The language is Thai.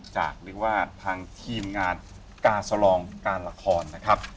เรียกว่าทางทีมงานกาสลองการละครนะครับ